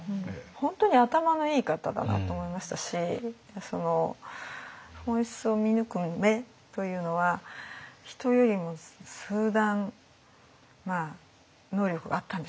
本当に頭のいい方だなと思いましたし本質を見抜く目というのは人よりも数段能力があったんでしょうね。